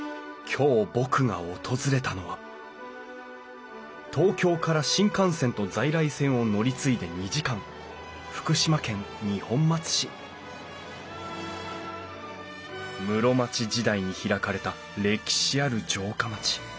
今日僕が訪れたのは東京から新幹線と在来線を乗り継いで２時間福島県二本松市室町時代に開かれた歴史ある城下町。